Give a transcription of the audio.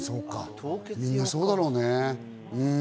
みんな、そうだろうね。